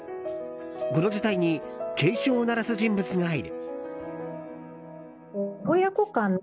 この事態に警鐘を鳴らす人物がいる。